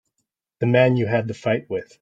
The man you had the fight with.